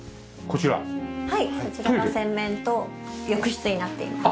そちらが洗面と浴室になっています。